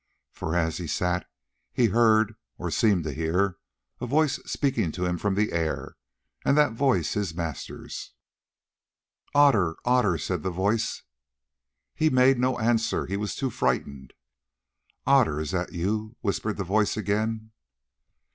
For as he sat he heard, or seemed to hear, a voice speaking to him from the air, and that voice his master's. "Otter, Otter," said the voice. He made no answer, he was too frightened. "Otter, is that you?" whispered the voice again.